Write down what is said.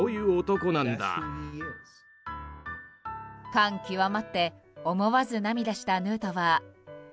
感極まって思わず涙したヌートバー。